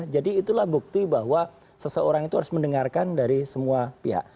jadi itulah bukti bahwa seseorang itu harus mendengarkan dari semua pihak